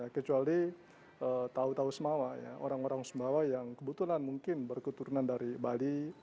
kecuali tahu tahu sumawa orang orang sumbawa yang kebetulan mungkin berketurunan dari bali